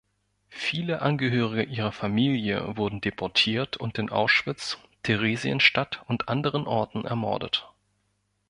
Viele Angehörige ihrer Familie wurden deportiert und in Auschwitz, Theresienstadt und anderen Orten ermordet.